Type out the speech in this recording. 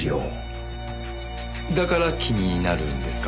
だから気になるんですか？